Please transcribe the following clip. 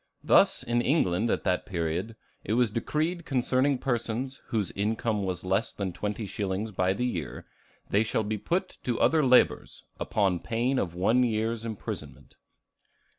Thus in England at that period it was decreed concerning persons whose income was less than twenty shillings by the year, "They shall be put to other labors, upon pain of one year's imprisonment."